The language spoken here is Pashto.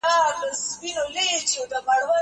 زه اجازه لرم چي لوښي وچوم!؟